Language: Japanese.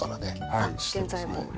あっ現在も。